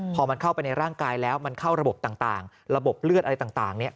พอมันเข้าไปในร่างกายแล้วมันเข้าระบบต่างระบบเลือดอะไรต่างเนี่ย